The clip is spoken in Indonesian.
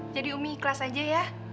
jadi umi ikhlas aja ya